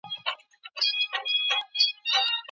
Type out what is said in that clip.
خلګ بايد ناوړه رواجونه لازم ونه ګڼي.